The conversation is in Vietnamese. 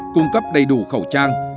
cung cấp đầy đủ khẩu trang